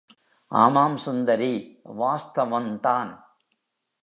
ஆமாம் சுந்தரி, வாஸ்தவந்தான்.